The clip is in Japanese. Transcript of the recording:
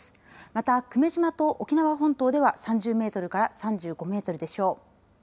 また久米島と沖縄本島では３０メートルから３５メートルでしょう。